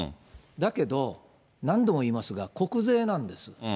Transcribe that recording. だけど、何度も言いますが、国税なんです。